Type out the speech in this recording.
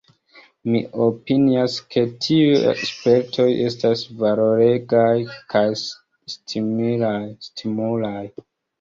Mi opinias ke tiuj spertoj estas valoregaj kaj stimulaj.